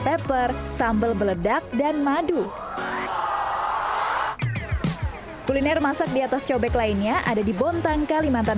pepper sambal beledak dan madu kuliner masak di atas cobek lainnya ada di bontang kalimantan